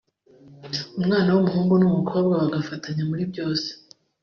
umwana w’umuhungu n’umukobwa bagafatanya muri byose